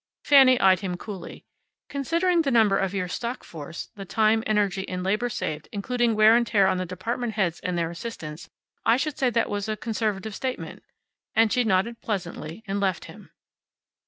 Fanny eyed him coolly. "Considering the number of your stock force, the time, energy, and labor saved, including wear and tear on department heads and their assistants, I should say that was a conservative statement." And she nodded pleasantly, and left him.